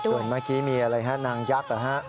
ส่วนเมื่อกี้มีอะไรฮะนางยักษ์เหรอฮะ